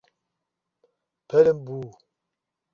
Parambu